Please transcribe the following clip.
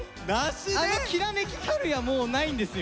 あのきらめきたるやもうないんですよ。